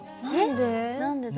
何で？